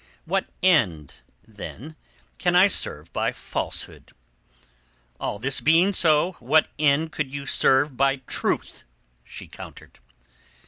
What end then can I serve by falsehood?" "All this being so, what end could you serve by truth?" she countered.